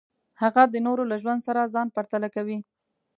هغه د نورو له ژوند سره ځان پرتله کوي.